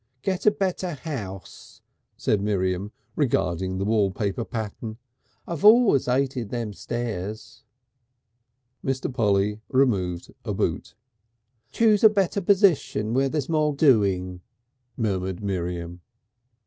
"Get a better house," said Miriam, regarding the wallpaper pattern. "I've always 'ated them stairs." Mr. Polly removed a boot. "Choose a better position where there's more doing," murmured Miriam....